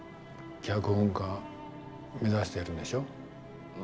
脚本家を目指してるんでしょ？